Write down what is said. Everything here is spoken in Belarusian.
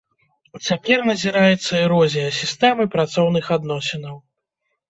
Цяпер назіраецца эрозія сістэмы працоўных адносінаў.